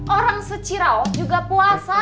orang secirau juga puasa